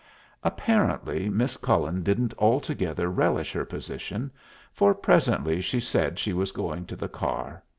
Apparently Miss Cullen didn't altogether relish her position, for presently she said she was going to the car.